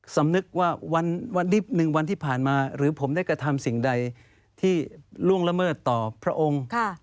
สำนึกว่าวันนิดหนึ่งวันที่ผ่านมาหรือผมได้กระทำสิ่งใดที่ล่วงละเมิดต่อพระองค์